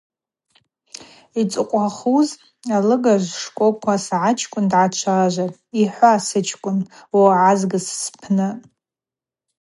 Йцӏыхъвахуз алыгажв шкӏвокӏва сгӏачкӏвын дгӏачважватӏ: Йхӏва, сычкӏвын, угӏазгыз спны.